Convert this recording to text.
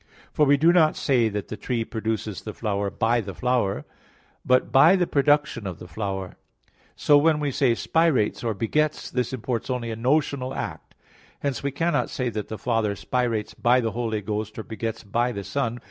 For we do not say that the tree produces the flower by the flower, but by the production of the flower. So when we say, "spirates" or "begets," this imports only a notional act. Hence we cannot say that the Father spirates by the Holy Ghost, or begets by the Son.